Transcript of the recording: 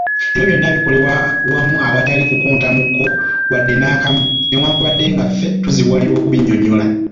Ebyo byonna bikolera wamu awatali kukontamuuko wadde nakamu , newankubadde nga ffe tuzibuwalirwa okubinyonyola.